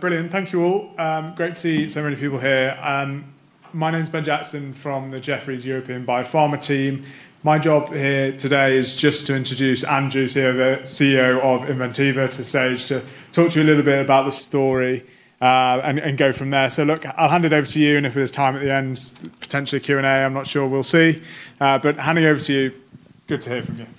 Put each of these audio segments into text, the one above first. Brilliant. Thank you all. Great to see so many people here. My name's Ben Jackson from the Jefferies European Biopharma team. My job here today is just to introduce Andrew Obenshain, CEO of Inventiva, to the stage to talk to you a little bit about the story, and go from there. Look, I'll hand it over to you, and if there's time at the end, potentially Q&A. I'm not sure. We'll see. Handing over to you. Good to hear from you. Thank you.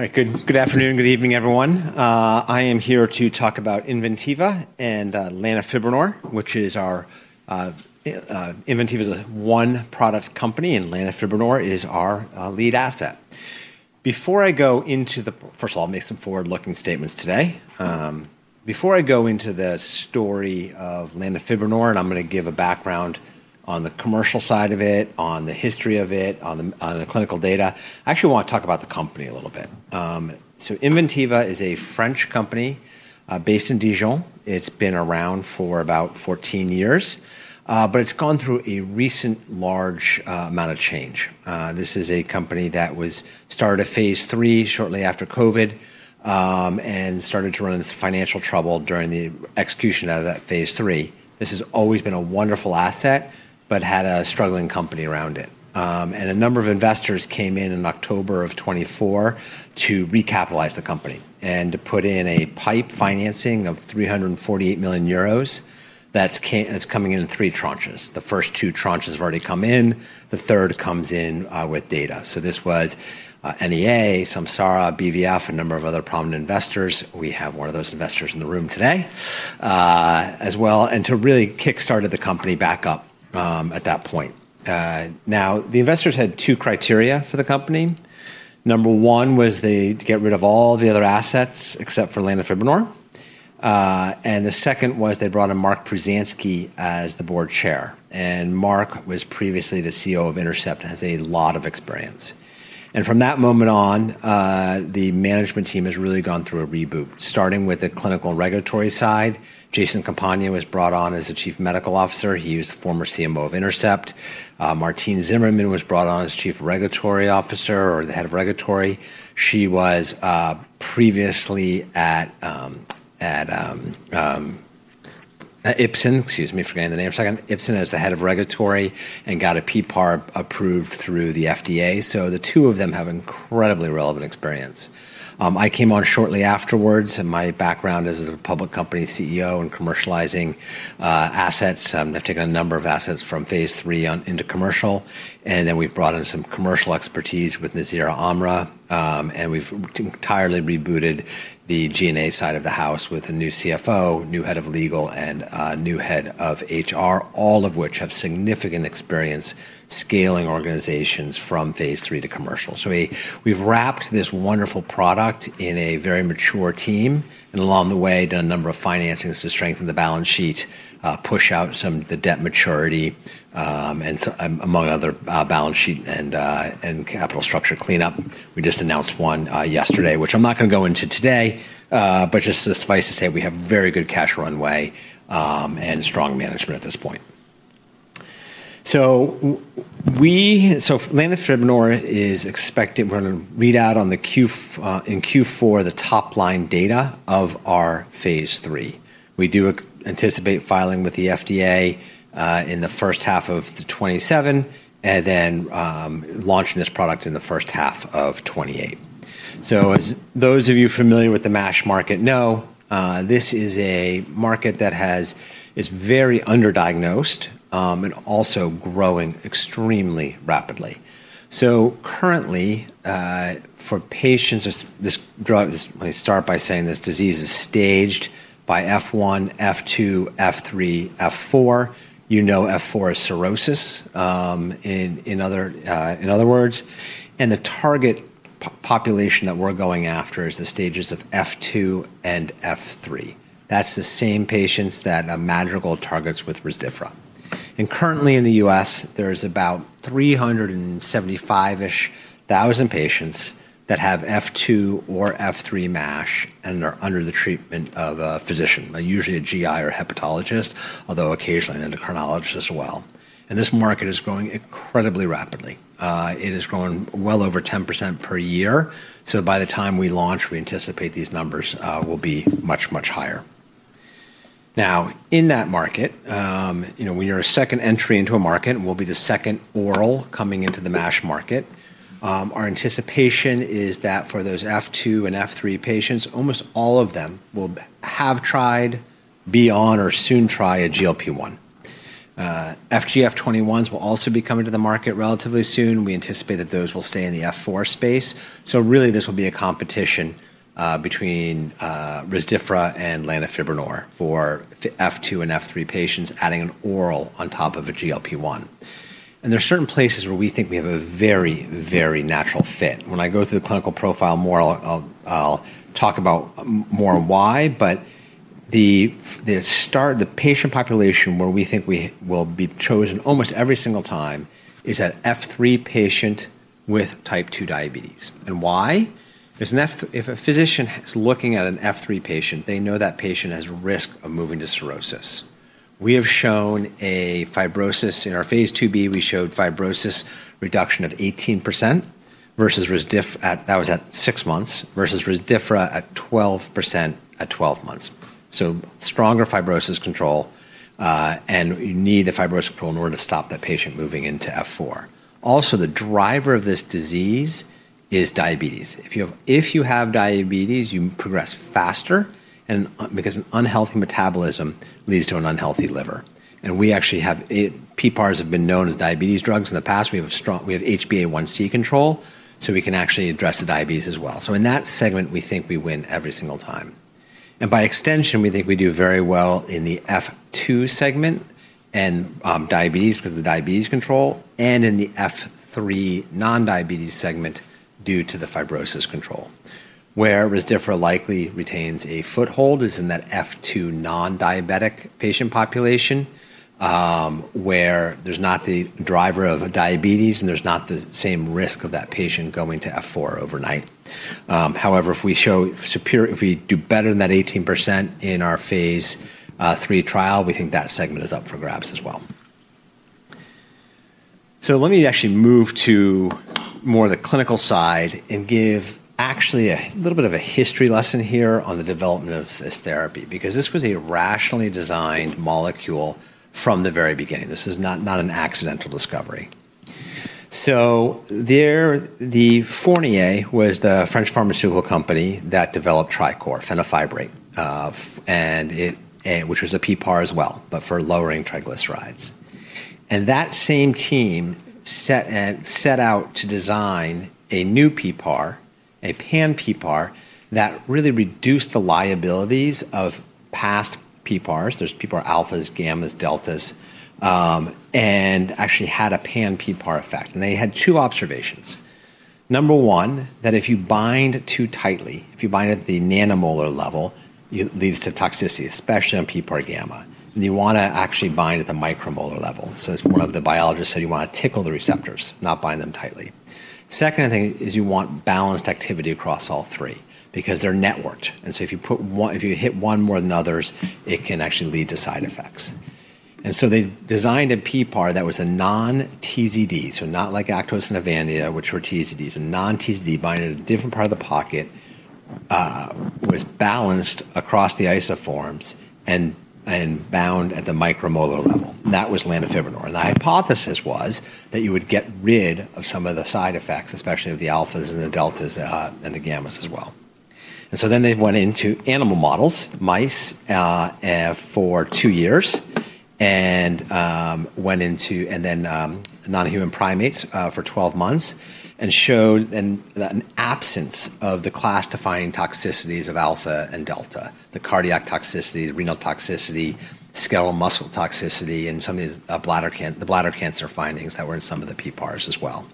All right. Good afternoon. Good evening, everyone. I am here to talk about Inventiva and lanifibranor. Inventiva is a one-product company, and lanifibranor is our lead asset. First of all, I'll make some forward-looking statements today. Before I go into the story of lanifibranor, and I'm going to give a background on the commercial side of it, on the history of it, on the clinical data. I actually want to talk about the company a little bit. Inventiva is a French company, based in Dijon. It's been around for about 14 years. It's gone through a recent large amount of change. This is a company that was started at phase III shortly after COVID, and started to run into financial trouble during the execution out of that phase III. This has always been a wonderful asset, but had a struggling company around it. A number of investors came in in October of 2024 to recapitalize the company and to put in a pipe financing of €348 million. That's coming in in three tranches. The first two tranches have already come in. The third comes in with data. This was NEA, Samsara, BVF, a number of other prominent investors. We have one of those investors in the room today, as well. To really kickstart the company back up at that point. Now, the investors had two criteria for the company. Number one was to get rid of all the other assets except for lanifibranor. The second was they brought in Mark Pruzanski as the Board Chair, and Mark was previously the CEO of Intercept and has a lot of experience. From that moment on, the management team has really gone through a reboot, starting with the clinical and regulatory side. Jason Campagna was brought on as the Chief Medical Officer. He was the former CMO of Intercept. Martine Zimmermann was brought on as Chief Regulatory Officer or the Head of Regulatory. She was previously at Ipsen. Excuse me, forgetting the name for a second. Ipsen as the Head of Regulatory and got a PPAR approved through the FDA. The two of them have incredibly relevant experience. I came on shortly afterwards, my background is as a public company CEO in commercializing assets. I've taken a number of assets from phase III into commercial, we've brought in some commercial expertise with Nazira Amra. We've entirely rebooted the G&A side of the house with a new CFO, new head of legal, and a new head of HR, all of which have significant experience scaling organizations from phase III to commercial. We've wrapped this wonderful product in a very mature team, and along the way, done a number of financings to strengthen the balance sheet, push out some the debt maturity, among other balance sheet and capital structure cleanup. We just announced one yesterday, which I'm not going to go into today. Just suffice to say, we have very good cash runway, and strong management at this point. lanifibranor is expected. We're going to read out in Q4 the top-line data of our phase III. We do anticipate filing with the FDA in the first half of 2027, and then launching this product in the first half of 2028. As those of you familiar with the MASH market know, this is a market that is very underdiagnosed, and also growing extremely rapidly. Currently, let me start by saying this disease is staged by F1, F2, F3, F4. You know F4 is cirrhosis, in other words. The target population that we're going after is the stages of F2 and F3. That's the same patients that Madrigal targets with Rezdiffra. Currently in the U.S., there's about 375,000 patients that have F2 or F3 MASH and are under the treatment of a physician, usually a GI or hepatologist, although occasionally an endocrinologist as well. This market is growing incredibly rapidly. It is growing well over 10% per year. By the time we launch, we anticipate these numbers will be much, much higher. Now, in that market, when you're a second entry into a market, we'll be the second oral coming into the MASH market. Our anticipation is that for those F2 and F3 patients, almost all of them will have tried, be on, or soon try a GLP-1. FGF21s will also be coming to the market relatively soon. We anticipate that those will stay in the F4 space. Really, this will be a competition between Rezdiffra and lanifibranor for F2 and F3 patients adding an oral on top of a GLP-1. There are certain places where we think we have a very, very natural fit. When I go through the clinical profile more, I'll talk about more on why, but the patient population where we think we will be chosen almost every single time is that F3 patient with type 2 diabetes. Why? If a physician is looking at an F3 patient, they know that patient has risk of moving to cirrhosis. We have shown a fibrosis in our phase II/b. We showed fibrosis reduction of 18%, that was at six months, versus Rezdiffra at 12% at 12 months. Stronger fibrosis control, you need the fibrosis control in order to stop that patient moving into F4. The driver of this disease is diabetes. If you have diabetes, you progress faster because an unhealthy metabolism leads to an unhealthy liver. PPARs have been known as diabetes drugs in the past. We have HbA1c control, we can actually address the diabetes as well. In that segment, we think we win every single time. By extension, we think we do very well in the F2 segment and diabetes because of the diabetes control and in the F3 non-diabetes segment due to the fibrosis control. Where Rezdiffra likely retains a foothold is in that F2 non-diabetic patient population, where there's not the driver of diabetes, and there's not the same risk of that patient going to F4 overnight. However, if we do better than that 18% in our phase III trial, we think that segment is up for grabs as well. Let me actually move to more the clinical side and give actually a little bit of a history lesson here on the development of this therapy, because this was a rationally designed molecule from the very beginning. This is not an accidental discovery. There, the Fournier was the French pharmaceutical company that developed TRICOR fenofibrate, which was a PPAR as well, but for lowering triglycerides. That same team set out to design a new PPAR, a pan-PPAR, that really reduced the liabilities of past PPARs. There's PPAR alphas, gammas, deltas, and actually had a pan-PPAR effect. They had two observations. Number one, that if you bind too tightly, if you bind at the nanomolar level, it leads to toxicity, especially on PPAR gamma. You want to actually bind at the micromolar level. As one of the biologists said, you want to tickle the receptors, not bind them tightly. Second thing is you want balanced activity across all three because they're networked. If you hit one more than others, it can actually lead to side effects. They designed a PPAR that was a non-TZD, so not like Actos and Avandia, which were TZDs. A non-TZD binding at a different part of the pocket, was balanced across the isoforms, and bound at the micromolar level. That was lanifibranor. The hypothesis was that you would get rid of some of the side effects, especially of the alphas and the deltas and the gammas as well. They went into animal models, mice, for two years, then non-human primates for 12 months, and showed an absence of the class-defining toxicities of alpha and delta, the cardiac toxicity, the renal toxicity, skeletal muscle toxicity, and some of the bladder cancer findings that were in some of the PPARs as well.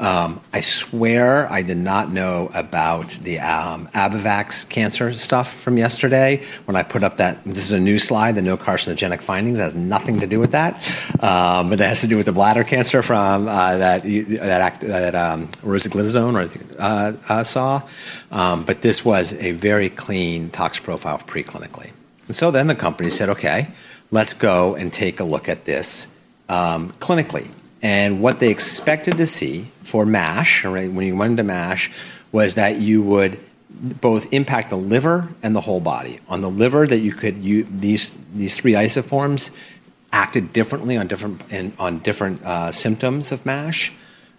I swear I did not know about the Abivax cancer stuff from yesterday when I put up that. This is a new slide, the no carcinogenic findings. It has nothing to do with that. It has to do with the bladder cancer from that rosiglitazone. This was a very clean tox profile pre-clinically. The company said, "Okay, let's go and take a look at this clinically." What they expected to see for MASH, when you went into MASH, was that you would both impact the liver and the whole body. On the liver, these three isoforms acted differently on different symptoms of MASH.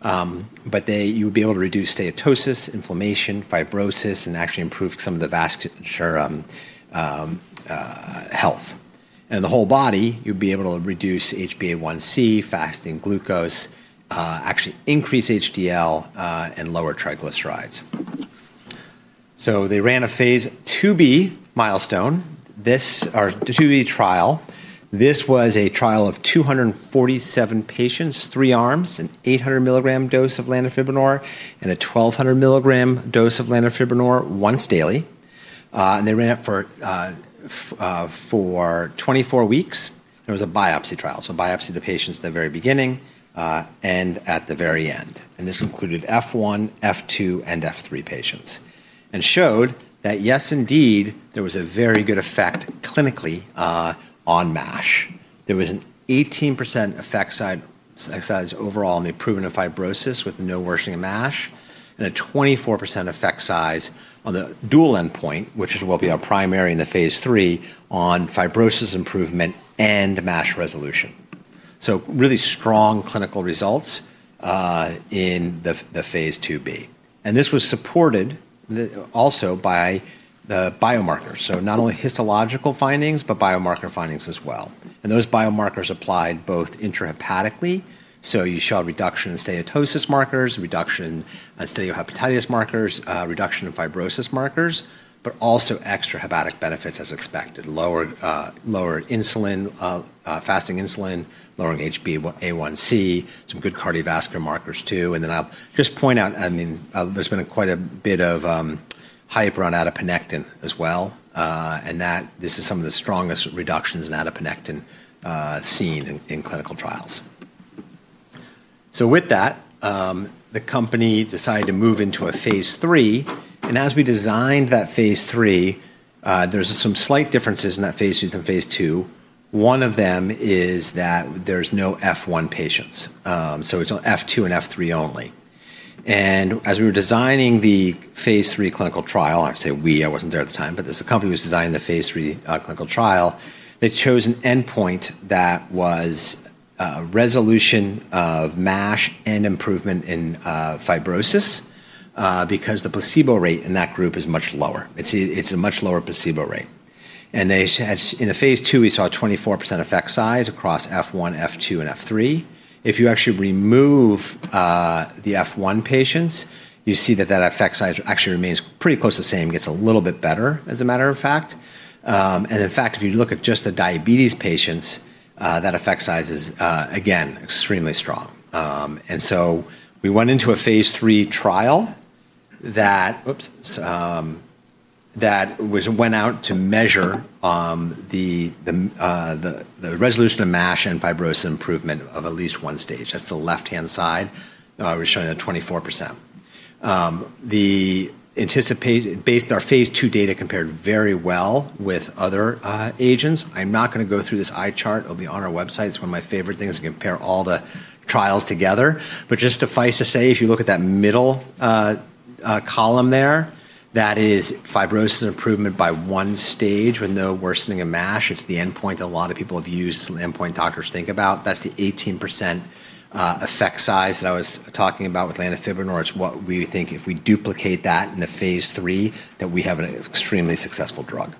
You would be able to reduce steatosis, inflammation, fibrosis, and actually improve some of the vasculature health. The whole body, you'd be able to reduce HbA1c, fasting glucose, actually increase HDL, and lower triglycerides. They ran a phase II/b milestone, our phase II/b trial. This was a trial of 247 patients, three arms, an 800 mg dose of lanifibranor, and a 1,200 mg dose of lanifibranor once daily. They ran it for 24 weeks. It was a biopsy trial, so biopsy the patients at the very beginning and at the very end. This included F1, F2, and F3 patients and showed that yes, indeed, there was a very good effect clinically on MASH. There was an 18% effect size overall in the improvement of fibrosis with no worsening of MASH, and a 24% effect size on the dual endpoint, which will be our primary in the phase III, on fibrosis improvement and MASH resolution. Really strong clinical results in the phase IIb. This was supported also by the biomarkers. Not only histological findings, but biomarker findings as well. Those biomarkers applied both intrahepatically, you saw a reduction in steatosis markers, a reduction in steatohepatitis markers, a reduction in fibrosis markers, but also extrahepatic benefits as expected. Lowered fasting insulin, lowering HbA1c, some good cardiovascular markers, too. I'll just point out, there's been quite a bit of hype around adiponectin as well, this is some of the strongest reductions in adiponectin seen in clinical trials. With that, the company decided to move into a phase III. As we designed that phase III, there's some slight differences in that phase III than phase II. One of them is that there's no F1 patients. It's F2 and F3 only. As we were designing the phase III clinical trial, I say we, I wasn't there at the time, but the company was designing the phase III clinical trial. They chose an endpoint that was a resolution of MASH and improvement in fibrosis, because the placebo rate in that group is much lower. It's a much lower placebo rate. In the phase II, we saw a 24% effect size across F1, F2, and F3. If you actually remove the F1 patients, you see that that effect size actually remains pretty close to the same, gets a little bit better, as a matter of fact. In fact, if you look at just the diabetes patients, that effect size is, again, extremely strong. We went into a phase III trial that went out to measure the resolution of MASH and fibrosis improvement of at least 1 stage. That's the left-hand side where it's showing the 24%. Our phase II data compared very well with other agents. I'm not going to go through this eye chart. It'll be on our website. It's one of my favorite things, to compare all the trials together. Just suffice to say, if you look at that middle column there, that is fibrosis improvement by one stage with no worsening of MASH. It's the endpoint that a lot of people have used. It's an endpoint doctors think about. That's the 18% effect size that I was talking about with lanifibranor. It's what we think if we duplicate that in the phase III, that we have an extremely successful drug.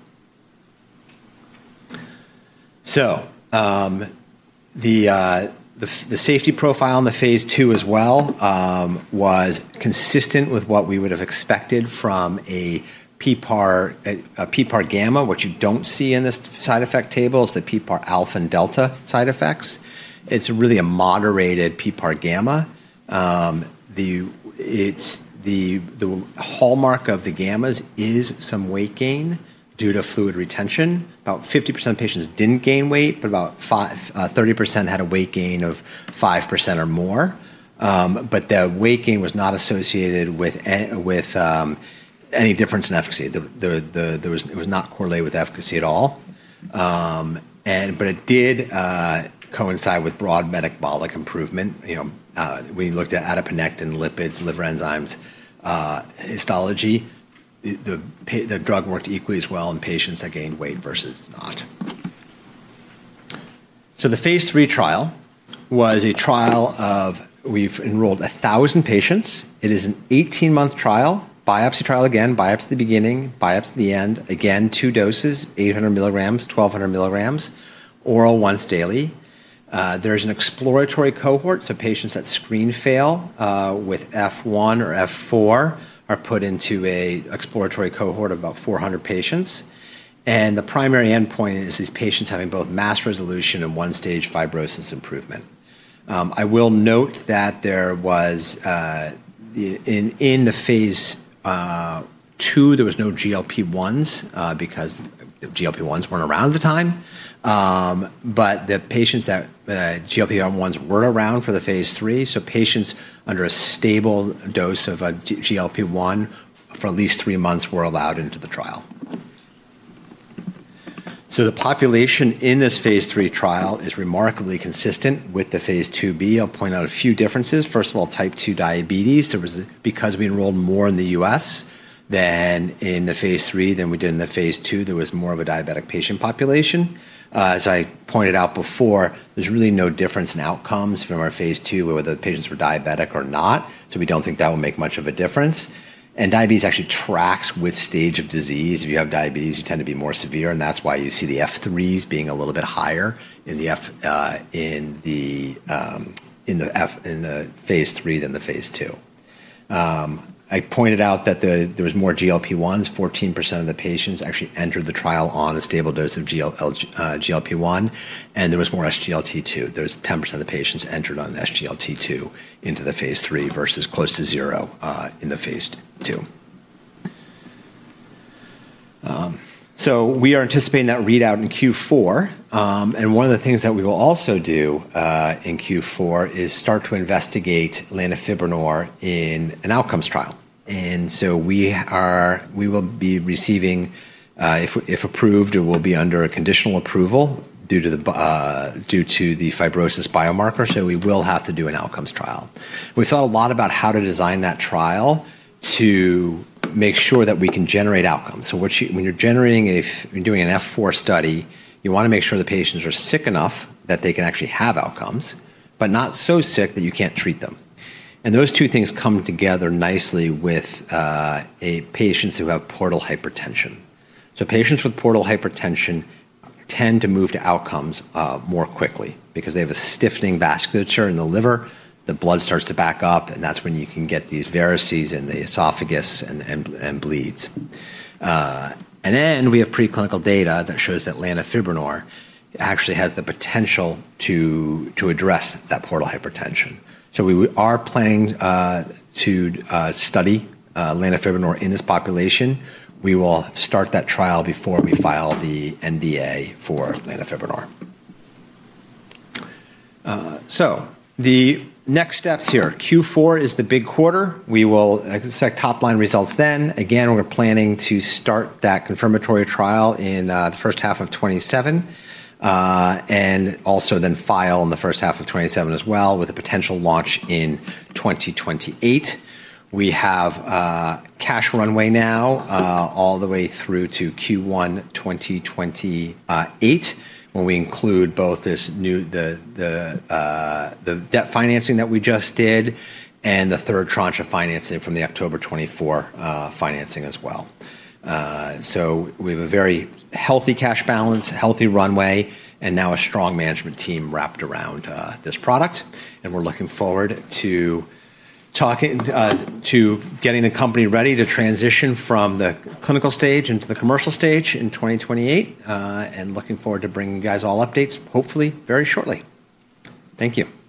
The safety profile in the phase II as well was consistent with what we would have expected from a PPAR gamma. What you don't see in this side effect table is the PPAR alpha and delta side effects. It's really a moderated PPAR gamma. The hallmark of the gammas is some weight gain due to fluid retention. About 50% of patients didn't gain weight, about 30% had a weight gain of 5% or more. The weight gain was not associated with any difference in efficacy. It was not correlated with efficacy at all. It did coincide with broad metabolic improvement. We looked at adiponectin lipids, liver enzymes, histology. The drug worked equally as well in patients that gained weight versus not. The phase III trial was a trial of, we've enrolled 1,000 patients. It is an 18-month trial, biopsy trial again, biopsy at the beginning, biopsy at the end. Again, two doses, 800 mg, 1,200 mg, oral once daily. There's an exploratory cohort, so patients that screen fail with F1 or F4 are put into an exploratory cohort of about 400 patients. The primary endpoint is these patients having both MASH resolution and one-stage fibrosis improvement. I will note that in the phase II, there was no GLP-1s because GLP-1s weren't around at the time. The GLP-1s were around for the phase III, patients under a stable dose of a GLP-1 for at least three months were allowed into the trial. The population in this phase III trial is remarkably consistent with the phase IIb. I'll point out a few differences. First of all, type 2 diabetes. We enrolled more in the U.S. than in the phase III than we did in the phase II, there was more of a diabetic patient population. As I pointed out before, there's really no difference in outcomes from our phase II, whether the patients were diabetic or not. We don't think that will make much of a difference. Diabetes actually tracks with stage of disease. If you have diabetes, you tend to be more severe, and that's why you see the F3s being a little bit higher in the phase III than the phase II. I pointed out that there was more GLP-1s. 14% of the patients actually entered the trial on a stable dose of GLP-1. There was more SGLT2. There was 10% of the patients entered on SGLT2 into the phase III versus close to zero in the phase II. We are anticipating that readout in Q4. One of the things that we will also do in Q4 is start to investigate lanifibranor in an outcomes trial. We will be receiving, if approved, it will be under a conditional approval due to the fibrosis biomarker, so we will have to do an outcomes trial. We thought a lot about how to design that trial to make sure that we can generate outcomes. When you're doing an F4 study, you want to make sure the patients are sick enough that they can actually have outcomes, but not so sick that you can't treat them. Those two things come together nicely with patients who have portal hypertension. Patients with portal hypertension tend to move to outcomes more quickly because they have a stiffening vasculature in the liver. The blood starts to back up, and that's when you can get these varices in the esophagus and bleeds. We have pre-clinical data that shows that lanifibranor actually has the potential to address that portal hypertension. We are planning to study lanifibranor in this population. We will start that trial before we file the NDA for lanifibranor. The next steps here, Q4 is the big quarter. We will expect top-line results then. We're planning to start that confirmatory trial in the first half of 2027, and also then file in the first half of 2027 as well, with a potential launch in 2028. We have a cash runway now all the way through to Q1 2028, when we include both the debt financing that we just did and the third tranche of financing from the October 2024 financing as well. We have a very healthy cash balance, healthy runway, and now a strong management team wrapped around this product. We're looking forward to getting the company ready to transition from the clinical stage into the commercial stage in 2028. Looking forward to bringing you guys all updates, hopefully very shortly. Thank you